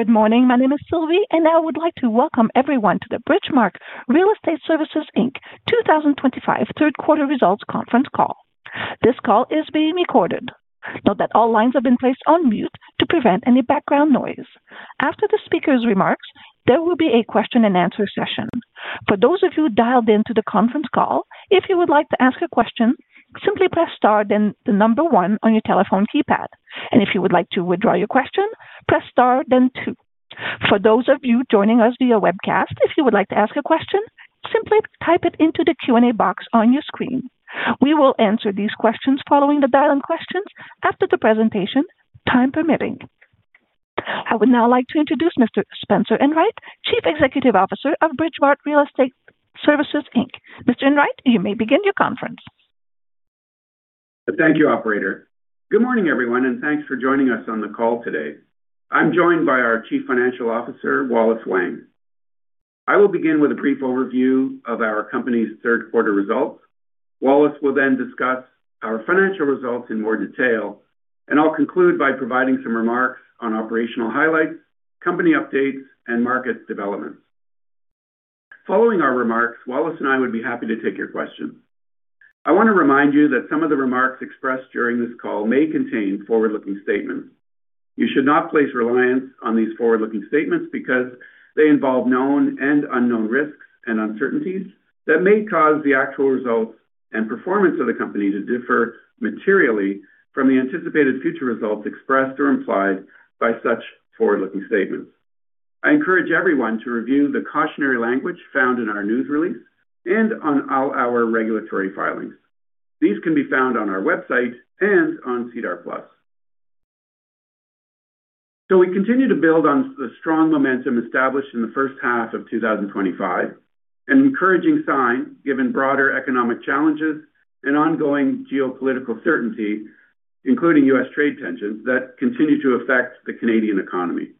Good morning. My name is Sylvie, and I would like to welcome everyone to the Bridgemarq Real Estate Services 2025 Third Quarter Results Conference call. This call is being recorded. Note that all lines have been placed on mute to prevent any background noise. After the speaker's remarks, there will be a question-and-answer session. For those of you dialed into the conference call, if you would like to ask a question, simply press star then the number one on your telephone keypad. If you would like to withdraw your question, press star then two. For those of you joining us via webcast, if you would like to ask a question, simply type it into the Q&A box on your screen. We will answer these questions following the dial-in questions after the presentation, time permitting. I would now like to introduce Mr. Spencer Enright, Chief Executive Officer of Bridgemarq Real Estate Services. Mr. Enright, you may begin your conference. Thank you, Operator. Good morning, everyone, and thanks for joining us on the call today. I'm joined by our Chief Financial Officer, Wallace Wang. I will begin with a brief overview of our company's third quarter results. Wallace will then discuss our financial results in more detail, and I'll conclude by providing some remarks on operational highlights, company updates, and market developments. Following our remarks, Wallace and I would be happy to take your questions. I want to remind you that some of the remarks expressed during this call may contain forward-looking statements. You should not place reliance on these forward-looking statements because they involve known and unknown risks and uncertainties that may cause the actual results and performance of the company to differ materially from the anticipated future results expressed or implied by such forward-looking statements. I encourage everyone to review the cautionary language found in our news release and on all our regulatory filings. These can be found on our website and on SEDAR+. We continue to build on the strong momentum established in the first half of 2025, an encouraging sign given broader economic challenges and ongoing geopolitical uncertainty, including U.S. trade tensions that continue to affect the Canadian economy.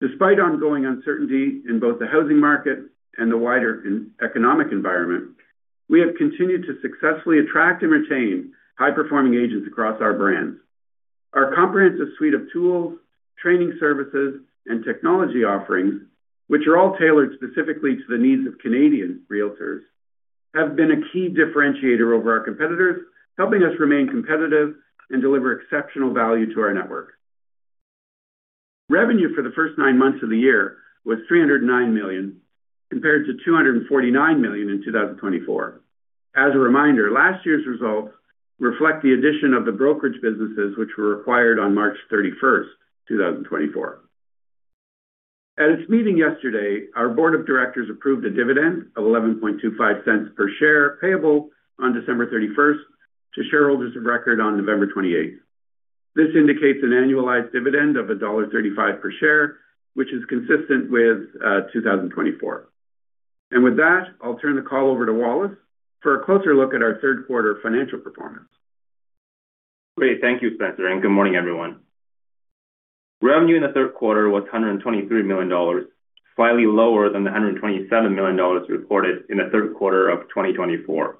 Despite ongoing uncertainty in both the housing market and the wider economic environment, we have continued to successfully attract and retain high-performing agents across our brands. Our comprehensive suite of tools, training services, and technology offerings, which are all tailored specifically to the needs of Canadian realtors, have been a key differentiator over our competitors, helping us remain competitive and deliver exceptional value to our network. Revenue for the first nine months of the year was 309 million, compared to 249 million in 2024. As a reminder, last year's results reflect the addition of the brokerage businesses, which were acquired on March 31, 2024. At its meeting yesterday, our Board of Directors approved a dividend of 11.25 per share, payable on December 31 to shareholders of record on November 28. This indicates an annualized dividend of dollar 1.35 per share, which is consistent with 2024. With that, I'll turn the call over to Wallace for a closer look at our third quarter financial performance. Great. Thank you, Spencer, and good morning, everyone. Revenue in the third quarter was 123 million dollars, slightly lower than the 127 million dollars reported in the third quarter of 2024.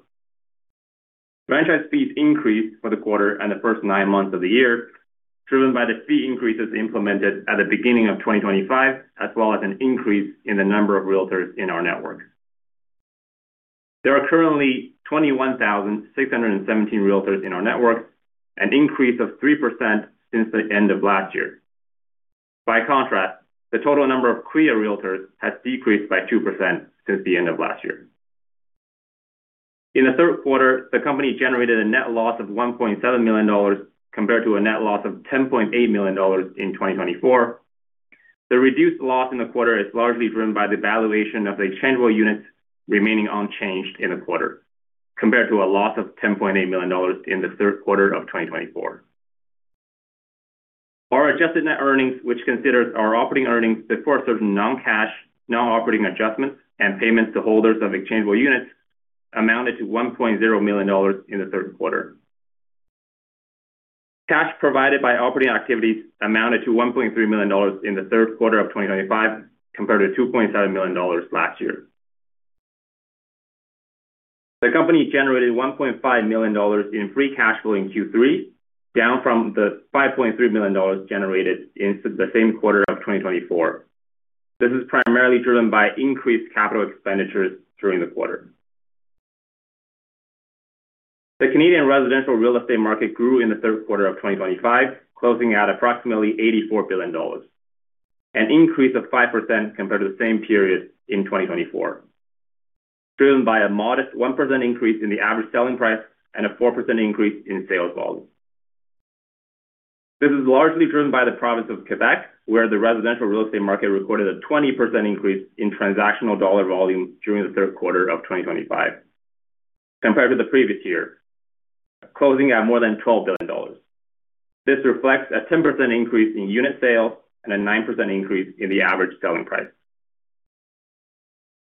Franchise fees increased for the quarter and the first nine months of the year, driven by the fee increases implemented at the beginning of 2025, as well as an increase in the number of realtors in our network. There are currently 21,617 realtors in our network, an increase of 3% since the end of last year. By contrast, the total number of CREA realtors has decreased by 2% since the end of last year. In the third quarter, the company generated a net loss of 1.7 million dollars compared to a net loss of 10.8 million dollars in 2024. The reduced loss in the quarter is largely driven by the valuation of the exchangeable units remaining unchanged in the quarter, compared to a loss of 10.8 million dollars in the third quarter of 2024. Our adjusted net earnings, which considers our operating earnings before certain non-cash, non-operating adjustments and payments to holders of exchangeable units, amounted to 1.0 million dollars in the third quarter. Cash provided by operating activities amounted to 1.3 million dollars in the third quarter of 2025, compared to 2.7 million dollars last year. The company generated 1.5 million dollars in free cash flow in Q3, down from the 5.3 million dollars generated in the same quarter of 2024. This is primarily driven by increased capital expenditures during the quarter. The Canadian residential real estate market grew in the third quarter of 2025, closing at approximately 84 billion dollars, an increase of 5% compared to the same period in 2024, driven by a modest 1% increase in the average selling price and a 4% increase in sales volume. This is largely driven by the province of Quebec, where the residential real estate market recorded a 20% increase in transactional dollar volume during the third quarter of 2025, compared to the previous year, closing at more than 12 billion dollars. This reflects a 10% increase in unit sales and a 9% increase in the average selling price.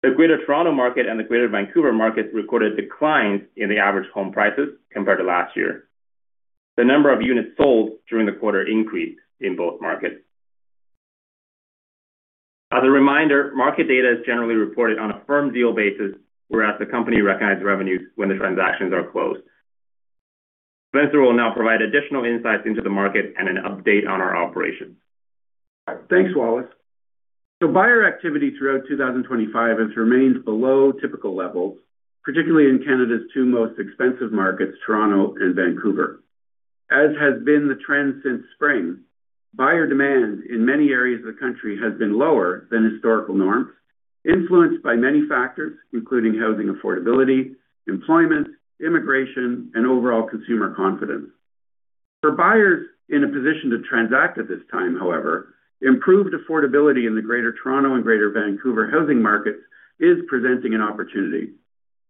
The Greater Toronto Market and the Greater Vancouver Market recorded declines in the average home prices compared to last year. The number of units sold during the quarter increased in both markets. As a reminder, market data is generally reported on a firm deal basis, whereas the company recognizes revenues when the transactions are closed. Spencer will now provide additional insights into the market and an update on our operations. Thanks, Wallace. Buyer activity throughout 2025 has remained below typical levels, particularly in Canada's two most expensive markets, Toronto and Vancouver. As has been the trend since spring, buyer demand in many areas of the country has been lower than historical norms, influenced by many factors, including housing affordability, employment, immigration, and overall consumer confidence. For buyers in a position to transact at this time, however, improved affordability in the Greater Toronto and Greater Vancouver housing markets is presenting an opportunity.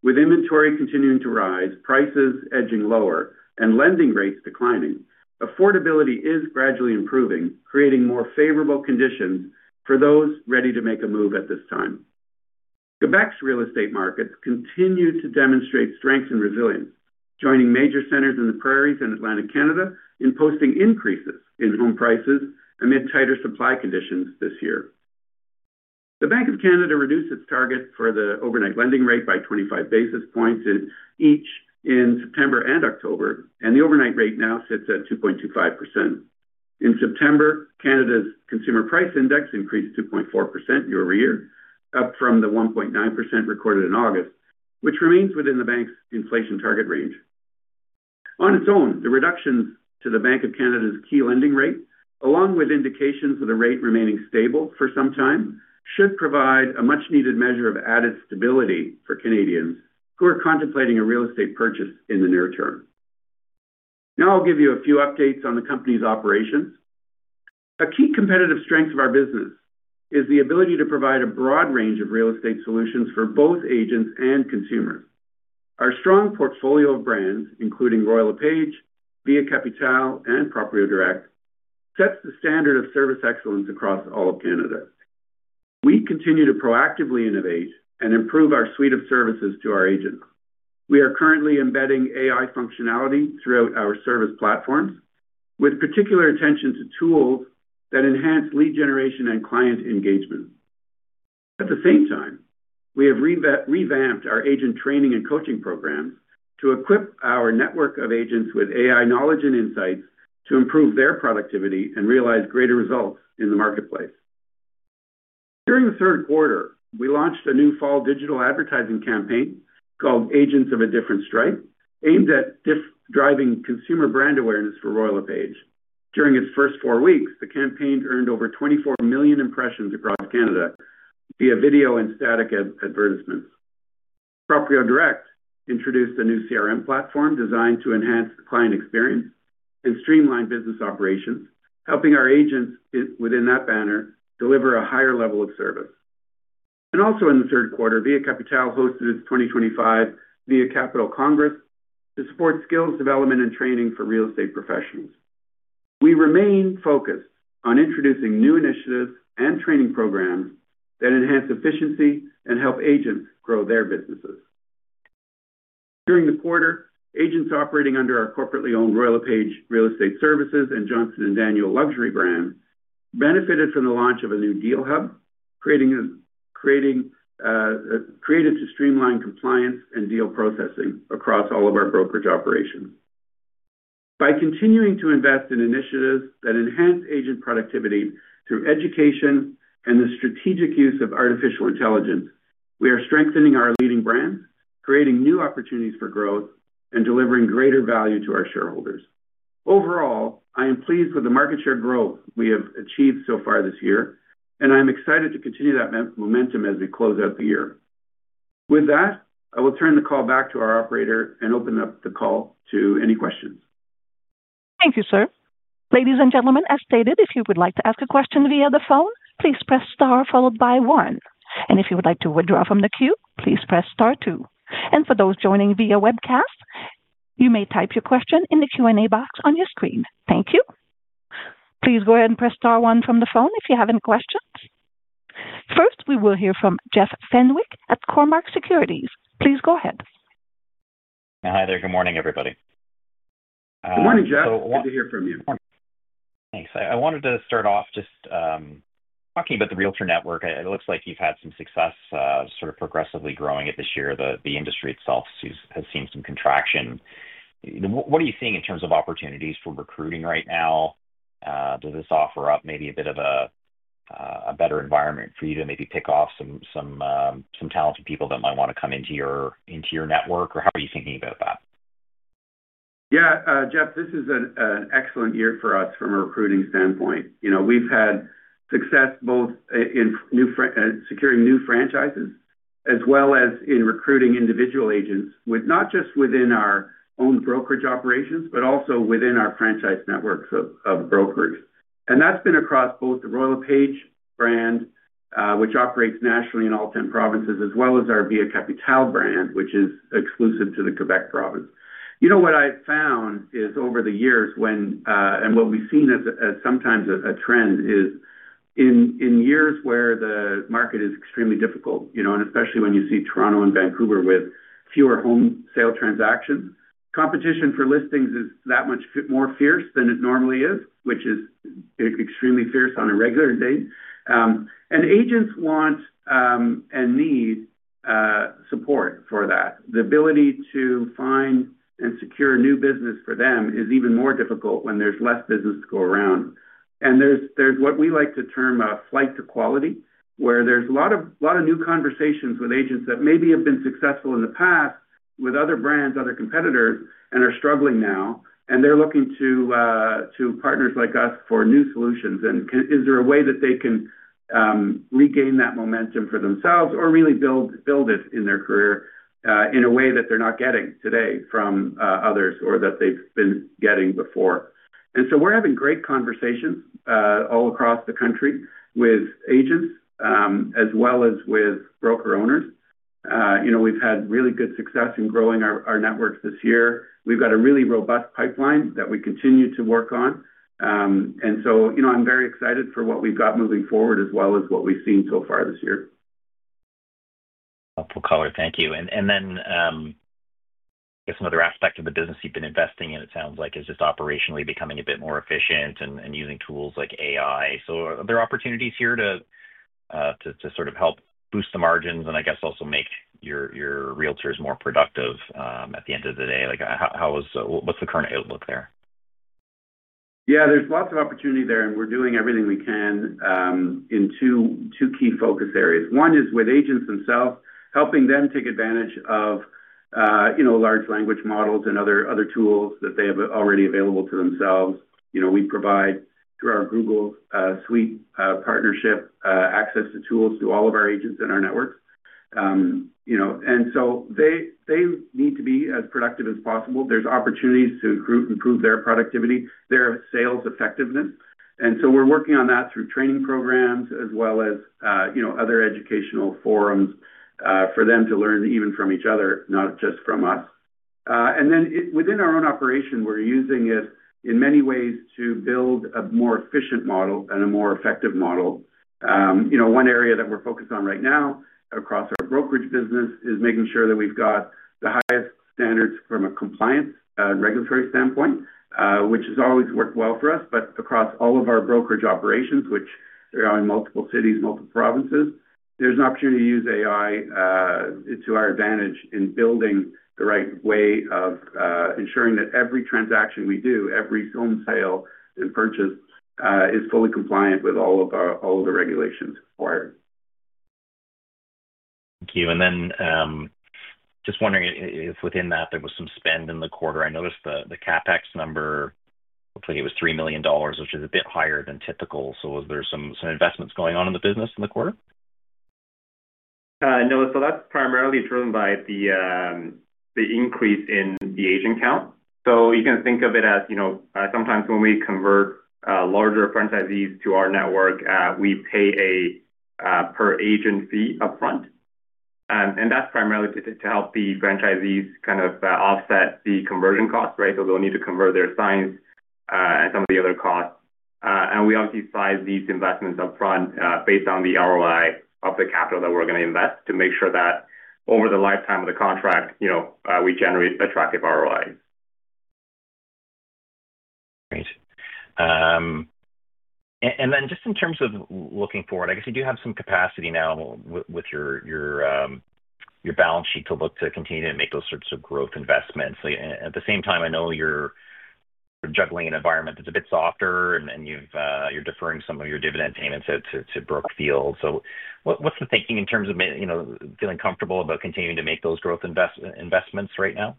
With inventory continuing to rise, prices edging lower, and lending rates declining, affordability is gradually improving, creating more favorable conditions for those ready to make a move at this time. Quebec's real estate markets continue to demonstrate strength and resilience, joining major centers in the Prairies and Atlantic Canada in posting increases in home prices amid tighter supply conditions this year. The Bank of Canada reduced its target for the overnight lending rate by 25 basis points each in September and October, and the overnight rate now sits at 2.25%. In September, Canada's consumer price index increased 2.4% year over year, up from the 1.9% recorded in August, which remains within the bank's inflation target range. On its own, the reductions to the Bank of Canada's key lending rate, along with indications of the rate remaining stable for some time, should provide a much-needed measure of added stability for Canadians who are contemplating a real estate purchase in the near term. Now I'll give you a few updates on the company's operations. A key competitive strength of our business is the ability to provide a broad range of real estate solutions for both agents and consumers. Our strong portfolio of brands, including Royal LePage, Via Capitale, and Proprio Direct, sets the standard of service excellence across all of Canada. We continue to proactively innovate and improve our suite of services to our agents. We are currently embedding AI functionality throughout our service platforms, with particular attention to tools that enhance lead generation and client engagement. At the same time, we have revamped our agent training and coaching programs to equip our network of agents with AI knowledge and insights to improve their productivity and realize greater results in the marketplace. During the third quarter, we launched a new fall digital advertising campaign called Agents of a Different Stripe, aimed at driving consumer brand awareness for Royal LePage. During its first four weeks, the campaign earned over 24 million impressions across Canada via video and static advertisements. Proprio Direct introduced a new CRM platform designed to enhance the client experience and streamline business operations, helping our agents within that banner deliver a higher level of service. Also in the third quarter, Via Capitale hosted its 2025 Via Capitale Congress to support skills development and training for real estate professionals. We remain focused on introducing new initiatives and training programs that enhance efficiency and help agents grow their businesses. During the quarter, agents operating under our corporately owned Royal LePage Real Estate Services and Johnston & Daniel Luxury Brand benefited from the launch of a new Deal Hub, created to streamline compliance and deal processing across all of our brokerage operations. By continuing to invest in initiatives that enhance agent productivity through education and the strategic use of artificial intelligence, we are strengthening our leading brands, creating new opportunities for growth, and delivering greater value to our shareholders. Overall, I am pleased with the market share growth we have achieved so far this year, and I'm excited to continue that momentum as we close out the year. With that, I will turn the call back to our operator and open up the call to any questions. Thank you, sir. Ladies and gentlemen, as stated, if you would like to ask a question via the phone, please press star followed by one. If you would like to withdraw from the queue, please press star two. For those joining via webcast, you may type your question in the Q&A box on your screen. Thank you. Please go ahead and press star one from the phone if you have any questions. First, we will hear from Jeff Fenwick at Cormark Securities. Please go ahead. Hi there. Good morning, everybody. Good morning, Jeff. So good to hear from you. Thanks. I wanted to start off just talking about the realtor network. It looks like you've had some success sort of progressively growing it this year. The industry itself has seen some contraction. What are you seeing in terms of opportunities for recruiting right now? Does this offer up maybe a bit of a better environment for you to maybe pick off some talented people that might want to come into your network? How are you thinking about that? Yeah, Jeff, this is an excellent year for us from a recruiting standpoint. We've had success both in securing new franchises as well as in recruiting individual agents, not just within our own brokerage operations, but also within our franchise networks of brokers. That's been across both the Royal LePage brand, which operates nationally in all 10 provinces, as well as our Via Capitale brand, which is exclusive to the Quebec province. You know what I found is over the years and what we've seen as sometimes a trend is in years where the market is extremely difficult, and especially when you see Toronto and Vancouver with fewer home sale transactions, competition for listings is that much more fierce than it normally is, which is extremely fierce on a regular date. Agents want and need support for that. The ability to find and secure new business for them is even more difficult when there's less business to go around. There is what we like to term a flight to quality, where there's a lot of new conversations with agents that maybe have been successful in the past with other brands, other competitors, and are struggling now. They are looking to partners like us for new solutions. Is there a way that they can regain that momentum for themselves or really build it in their career in a way that they're not getting today from others or that they've been getting before? We are having great conversations all across the country with agents as well as with broker owners. We've had really good success in growing our networks this year. We've got a really robust pipeline that we continue to work on. I'm very excited for what we've got moving forward as well as what we've seen so far this year. Helpful color. Thank you. I guess another aspect of the business you've been investing in, it sounds like, is just operationally becoming a bit more efficient and using tools like AI. Are there opportunities here to sort of help boost the margins and I guess also make your realtors more productive at the end of the day? What's the current outlook there? Yeah, there's lots of opportunity there, and we're doing everything we can in two key focus areas. One is with agents themselves, helping them take advantage of large language models and other tools that they have already available to themselves. We provide through our Google suite partnership access to tools to all of our agents in our networks. They need to be as productive as possible. There's opportunities to improve their productivity, their sales effectiveness. We're working on that through training programs as well as other educational forums for them to learn even from each other, not just from us. Within our own operation, we're using it in many ways to build a more efficient model and a more effective model. One area that we're focused on right now across our brokerage business is making sure that we've got the highest standards from a compliance and regulatory standpoint, which has always worked well for us. Across all of our brokerage operations, which are in multiple cities, multiple provinces, there's an opportunity to use AI to our advantage in building the right way of ensuring that every transaction we do, every home sale and purchase, is fully compliant with all of the regulations required. Thank you. Just wondering if within that, there was some spend in the quarter. I noticed the CapEx number, I think it was 3 million dollars, which is a bit higher than typical. Were there some investments going on in the business in the quarter? No, that's primarily driven by the increase in the agent count. You can think of it as sometimes when we convert larger franchisees to our network, we pay a per agent fee upfront. That's primarily to help the franchisees kind of offset the conversion cost, right? They'll need to convert their signs and some of the other costs. We obviously size these investments upfront based on the ROI of the capital that we're going to invest to make sure that over the lifetime of the contract, we generate attractive ROI. Great. In terms of looking forward, I guess you do have some capacity now with your balance sheet to look to continue to make those sorts of growth investments. At the same time, I know you're juggling an environment that's a bit softer, and you're deferring some of your dividend payments to Brookfield. What is the thinking in terms of feeling comfortable about continuing to make those growth investments right now?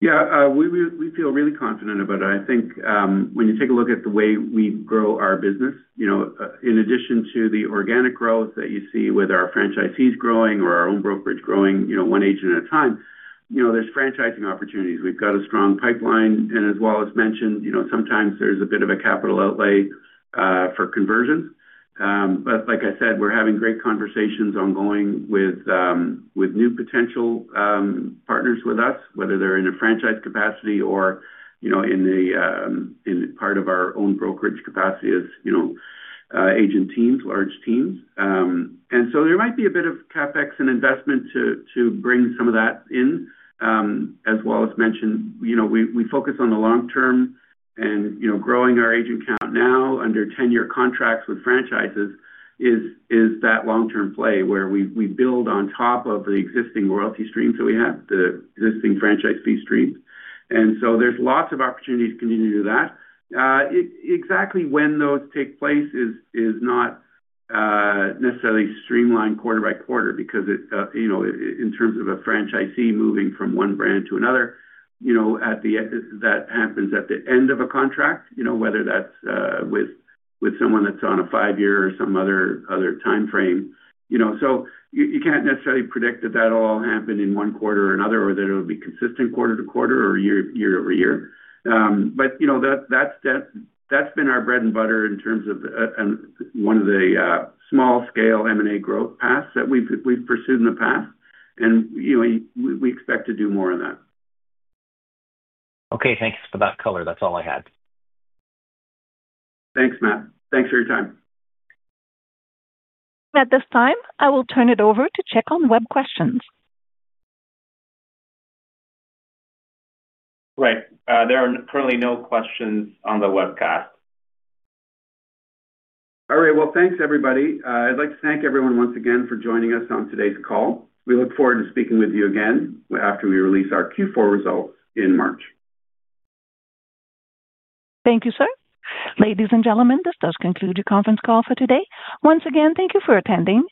Yeah, we feel really confident about it. I think when you take a look at the way we grow our business, in addition to the organic growth that you see with our franchisees growing or our own brokerage growing one agent at a time, there are franchising opportunities. We have got a strong pipeline. As Wallace mentioned, sometimes there is a bit of a capital outlay for conversions. Like I said, we are having great conversations ongoing with new potential partners with us, whether they are in a franchise capacity or in a part of our own brokerage capacity as agent teams, large teams. There might be a bit of CapEx and investment to bring some of that in. As Wallace mentioned, we focus on the long term, and growing our agent count now under 10-year contracts with franchises is that long-term play where we build on top of the existing royalty streams that we have, the existing franchise fee streams. There are lots of opportunities to continue to do that. Exactly when those take place is not necessarily streamlined quarter by quarter because in terms of a franchisee moving from one brand to another, that happens at the end of a contract, whether that is with someone that is on a five-year or some other time frame. You cannot necessarily predict that that will all happen in one quarter or another or that it will be consistent quarter to quarter or year over year. That has been our bread and butter in terms of one of the small-scale M&A growth paths that we have pursued in the past. We expect to do more of that. Okay, thanks for that color. That's all I had. Thanks man. Thanks for your time. At this time, I will turn it over to check on web questions. Right. There are currently no questions on the webcast. All right. Thanks, everybody. I'd like to thank everyone once again for joining us on today's call. We look forward to speaking with you again after we release our Q4 results in March. Thank you, sir. Ladies and gentlemen, this does conclude your conference call for today. Once again, thank you for attending.